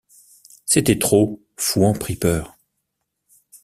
C’était trop, Fouan prit peur.